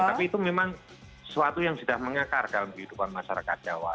tapi itu memang sesuatu yang sudah mengakar dalam kehidupan masyarakat jawa